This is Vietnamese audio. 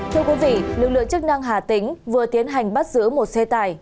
thưa quý vị lực lượng chức năng hà tĩnh vừa tiến hành bắt giữ một xe tải